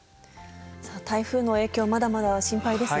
台風の影響、まだまだ心配ですね。